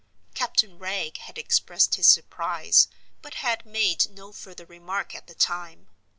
Captain Wragge had expressed his surprise, but had made no further remark at the time.